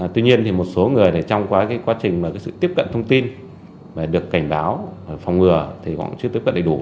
tuy nhiên thì một số người trong quá trình sự tiếp cận thông tin và được cảnh báo và phòng ngừa thì cũng chưa tiếp cận đầy đủ